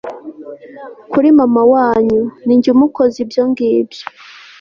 kuri mama wanyu ninjye umukoze ibyo ngibyo